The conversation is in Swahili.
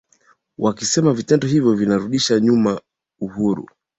wakisema vitendo hivyo vinarudisha nyuma uhuru